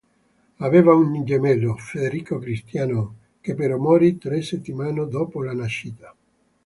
Aveva un gemello, Federico Cristiano, che però morì tre settimane dopo la nascita.